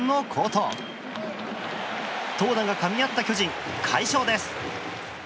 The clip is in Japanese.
投打がかみ合った巨人快勝です。